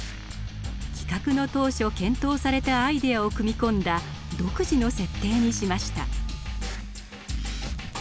企画の当初検討されたアイデアを組み込んだ独自の設定にしました。